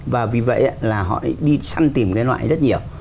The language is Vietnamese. và vì vậy là họ đi săn tìm cái loại rất nhiều